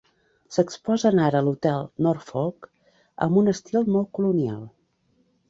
S'exposen ara a l'hotel Norfolk, amb un estil molt colonial.